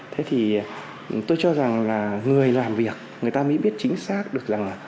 thế thì tôi cho rằng là người làm việc người ta mới biết chính xác được rằng là